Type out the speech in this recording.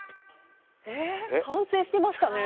完成してましたね。